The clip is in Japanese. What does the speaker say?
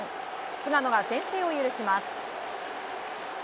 菅野が先制を許します。